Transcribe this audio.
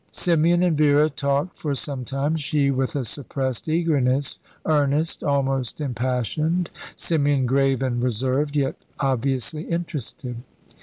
Symeon and Vera talked for some time, she with a suppressed eagerness earnest, almost impassioned; Symeon grave and reserved, yet obviously interested.